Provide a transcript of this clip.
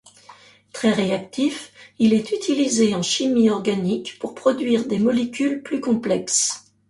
Très réactif, il est utilisé en chimie organique pour produire des molécules plus complexes.